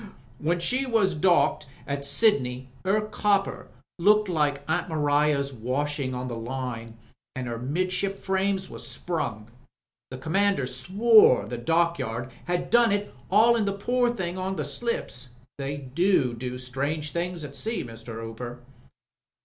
When she was docked at Sydney her MRS. BATHURST 319 copper looked like Aunt Maria's washing on the line — an' her 'midship frames was sprung. The commander swore the dockyard 'ad done it haulin' the pore thing en to the slips. They do do strange things at sea, Mr. Hooper."